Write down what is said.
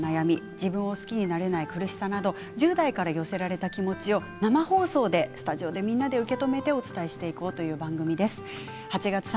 自分を好きになれない苦しさなど１０代から寄せられた気持ちを生放送でスタジオでみんなで受け止めてお伝えしていこうという番組です。